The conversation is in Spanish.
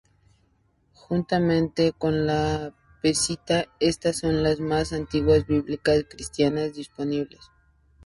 Juntamente con la Peshitta, estas son las más antiguas Biblias cristianas disponibles.